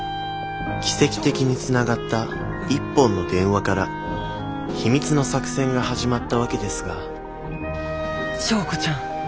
奇跡的につながった一本の電話から秘密の作戦が始まったわけですが昭子ちゃん。